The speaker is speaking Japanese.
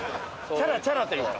チャラチャラというか。